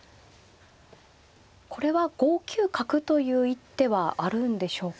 これは５九角という一手はあるんでしょうか。